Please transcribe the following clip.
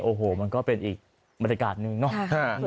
โอ้โหมันก็เป็นอีกบรรยากาศหนึ่งเนาะ